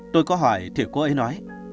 tôi có hỏi thì cô ấy nói